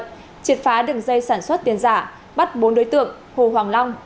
triệt phá đường dây sản xuất tiền giả bắt bốn đối tượng hồ hoàng long